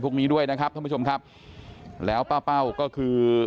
พวกนี้ด้วยนะครับท่านผู้ชมครับแล้วป้าเป้าก็คือ